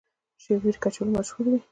شیبر کچالو مشهور دي؟